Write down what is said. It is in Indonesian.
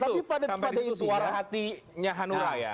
tapi pada saat itu suara hatinya hanura ya